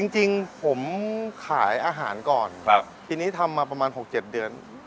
จริงผมขายอาหารก่อนครับปีนี้ทำมาประมาณหกเจ็ดเดือน